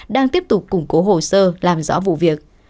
đang tiếp tục củng cố hồ sơ làm rõ vụ việc